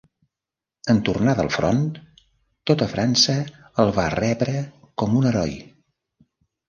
En tornar del front, tota França el va rebre com un heroi.